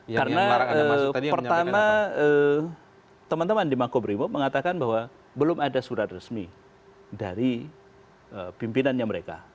karena pertama teman teman di makobrimo mengatakan bahwa belum ada surat resmi dari pimpinannya mereka